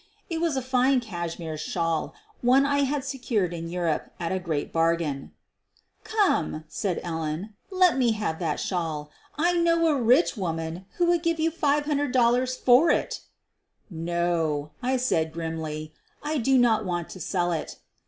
It was a fine cashmere shawl — one I had secured in Europe at a great bargain. 1 ' Come, '' said Ellen, '' let me have that shawl. I know a rich woman who will give you $500 for it." "No," I said, grimly, "1 don't want to sell it."